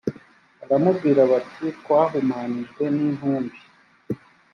baramubwira bati twahumanijwe n intumbi